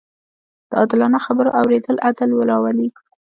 د عادلانه خبرو اورېدل عدل راولي